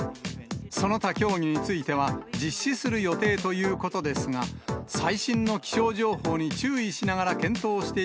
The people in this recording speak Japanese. その他競技については、実施する予定ということですが、最新の気象情報に注意しながら検討してい